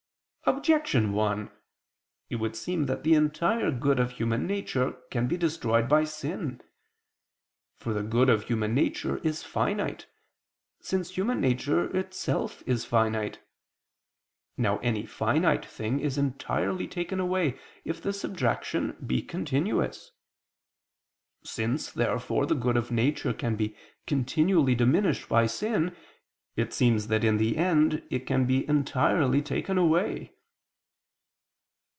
Objection 1: It would seem that the entire good of human nature can be destroyed by sin. For the good of human nature is finite, since human nature itself is finite. Now any finite thing is entirely taken away, if the subtraction be continuous. Since therefore the good of nature can be continually diminished by sin, it seems that in the end it can be entirely taken away.